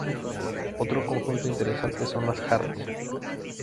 Otro conjunto interesante son las jarras.